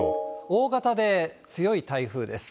大型で強い台風です。